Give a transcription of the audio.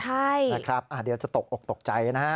ใช่อาจจะตกออกตกใจนะฮะ